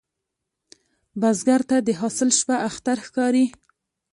بزګر ته د حاصل شپه اختر ښکاري